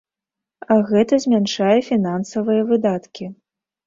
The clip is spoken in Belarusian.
Гэта змяншае фінансавыя выдаткі.